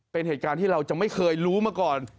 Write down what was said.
เป็นเหตุการณ์ที่เราจะไม่เคยรู้มาก่อน